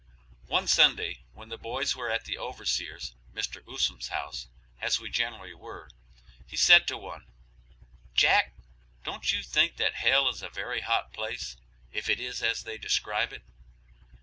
One Sunday when the boys were at the overseer's, Mr. Usom's house, as we generally were, he said to one, "Jack, don't you think that hell is a very hot place, if it is as they describe it?"